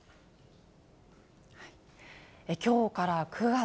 きょうから９月。